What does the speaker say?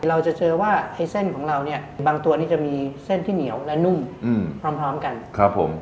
เราจะเจอว่าไอ้เส้นของเราเนี่ยบางตัวนี้จะมีเส้นที่เหนียวและนุ่มพร้อมกันครับผม